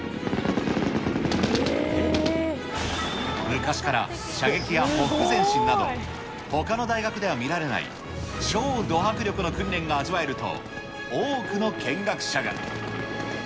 昔から射撃やほふく前進など、ほかの大学では見られない超ど迫力の訓練が味わえると、多くの見学者が。